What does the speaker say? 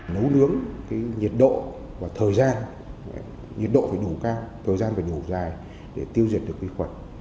nấu nướng nhiệt độ và thời gian nhiệt độ phải đủ cao thời gian phải đủ dài để tiêu diệt được vi khuẩn